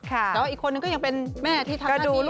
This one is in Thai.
แต่อีกคนนึงก็ยังเป็นแม่ที่ทำหน้าตี